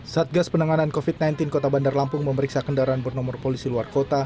satgas penanganan covid sembilan belas kota bandar lampung memeriksa kendaraan bernomor polisi luar kota